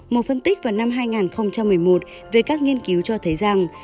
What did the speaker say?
một phân tích vào năm hai nghìn một mươi một về các nghiên cứu cho thấy rằng